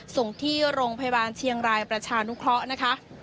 ส่งที่โรงพยาบาลเชียงรายประชานุเคราะห์นะคะ